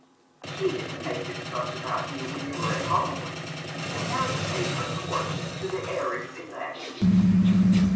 " She didn't make this fuss about you whon you were at home, but now she pays her court to the heiress elect."